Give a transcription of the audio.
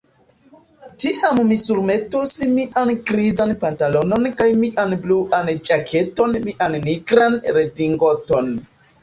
Tiam mi surmetos mian grizan pantalonon kaj mian bluan ĵaketon mian nigran redingoton.